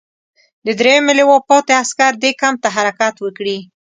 د دریمې لواء پاتې عسکر دې کمپ ته حرکت وکړي.